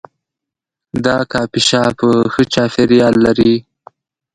دا کافي شاپ ښه چاپیریال لري.